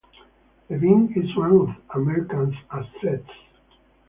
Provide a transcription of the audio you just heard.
Levine is one of America's assets.